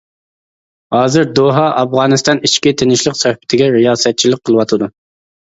ھازىر دوھا ئافغانىستان ئىچكى تىنچلىق سۆھبىتىگە رىياسەتچىلىك قىلىۋاتىدۇ.